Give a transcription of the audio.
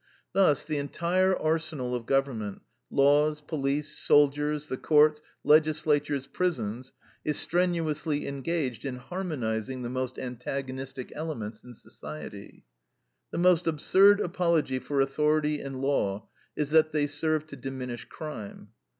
Thus the entire arsenal of government laws, police, soldiers, the courts, legislatures, prisons, is strenuously engaged in "harmonizing" the most antagonistic elements in society. The most absurd apology for authority and law is that they serve to diminish crime.